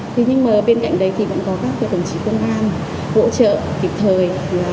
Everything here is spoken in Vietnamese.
thế nhưng mà bên cạnh đấy thì vẫn có các đồng chí công an hỗ trợ kịp thời